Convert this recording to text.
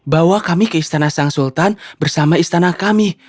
bawa kami ke istana sang sultan bersama istana kami